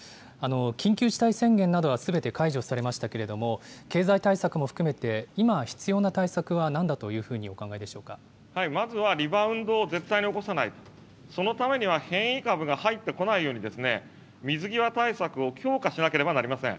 緊急事態宣言などはすべて解除されましたけれども、経済対策も含めて、今必要な対策はなんだといまずはリバウンドを絶対に起こさない、そのためには変異株が入ってこないように、水際対策を強化しなければなりません。